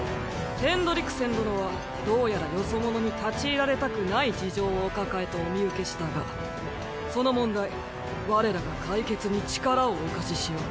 ヘンドリクセン殿はどうやらよそ者に立ち入られたくない事情をお抱えとお見受けしたがその問題我らが解決に力をお貸ししよう。